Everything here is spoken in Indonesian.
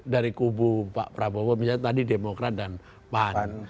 dari kubu pak prabowo misalnya tadi demokrat dan pan